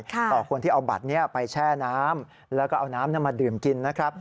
ต่อคนที่เอาบัตรนี้ไปแช่น้ำแล้วก็เอาน้ำมาดื่มกินนะครับ